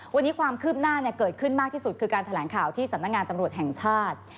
วันนี้ความคืบหน้าเกิดขึ้นมากที่สุดคือการแถลงข่าวที่สำนักงานตำรวจแห่งชาติ